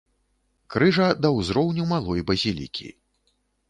Крыжа да ўзроўню малой базілікі.